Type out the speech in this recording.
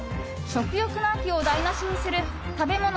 食欲の秋を台無しにする食べ物